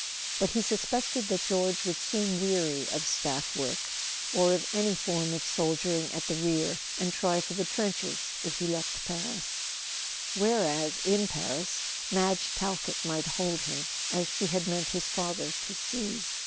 But he suspected that George would soon weary of staff work, or of any form of soldiering at the rear, and try for the trenches if he left Paris; whereas, in Paris, Madge Talkett might hold him—as she had meant his father to see.